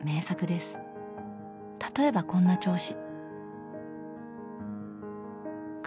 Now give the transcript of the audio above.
例えばこんな調子。